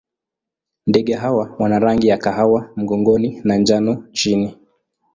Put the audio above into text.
Ndege hawa wana rangi ya kahawa mgongoni na njano chini.